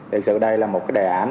thật sự đây là một cái đề án